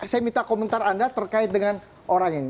saya minta komentar anda terkait dengan orang ini